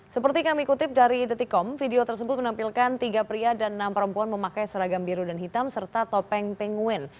seperti kami kutip dari detikom video tersebut menampilkan tiga pria dan enam perempuan memakai seragam biru dan hitam serta topeng penguin